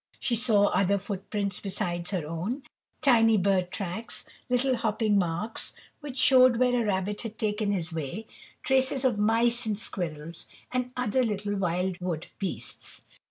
She saw other footprints beside her own, tiny bird tracks, little hopping marks, which showed where a rabbit had taken his way, traces of mice and squirrels and other little wild wood beasts.